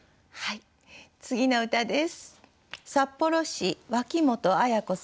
次の歌です。